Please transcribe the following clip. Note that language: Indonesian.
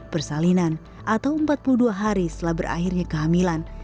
persalinan atau empat puluh dua hari setelah berakhirnya kehamilan